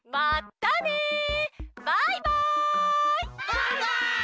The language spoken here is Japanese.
バイバイ！